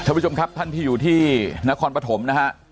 ท่านผู้ชมครับท่านที่อยู่ที่นครปฐมนะฮะ